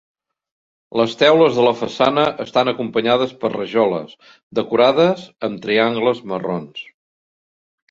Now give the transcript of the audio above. Les teules de la façana estan acompanyades per rajoles decorades amb triangles marrons.